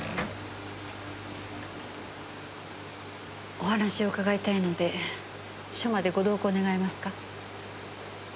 お話を伺いたいので署までご同行願えますか？